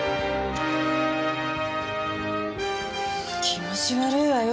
気持ち悪いわよ